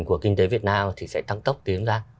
của kinh tế việt nam thì sẽ tăng tốc tiến ra